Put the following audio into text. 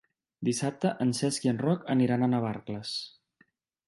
Dissabte en Cesc i en Roc aniran a Navarcles.